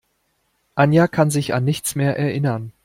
Anja kann sich an nichts mehr erinnern.